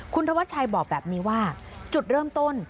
คุณธวัชชัยบอกแบบนี้ว่าจุดเริ่มต้น